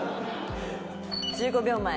１５秒前。